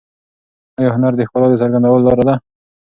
آیا هنر د ښکلا د څرګندولو لاره ده؟